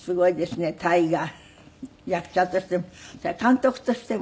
役者としてもそれから監督としても？